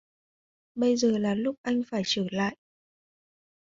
Bây giờ là lúc anh phải trở lại